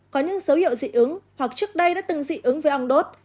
có những dấu hiệu dị ứng hoặc trước đây đã từng dị ứng với ong đốt